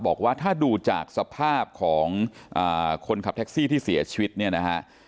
บอกว่าถ้าดูจากสภาพของคนขับแท็กซี่ที่เสียชีวิตเนี่ยนะฮะ